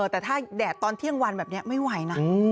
แต่ถ้าแดดตอนเที่ยงวันแบบนี้ไม่ไหวนะ